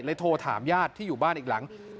โทรถามญาติที่อยู่บ้านอีกหลัง